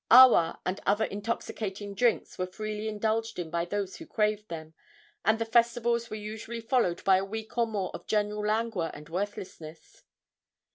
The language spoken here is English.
Awa and other intoxicating drinks were freely indulged in by those who craved them, and the festivals were usually followed by a week or more of general languor and worthlessness.